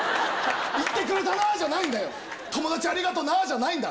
言ってくれたなじゃないんだよ、友達ありがとうなじゃないんだよ。